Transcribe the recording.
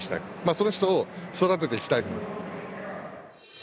その人を育てていきたい。